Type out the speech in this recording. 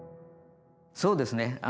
そうですね。